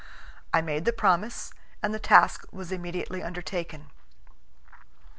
I made the promise, and the task was immediately undertaken.